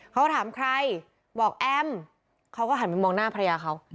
เขาก็ถามใครบอกแอมเขาก็หันไปมองหน้าภรรยาเขา